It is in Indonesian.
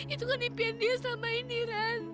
itu kan impian dia selama ini kan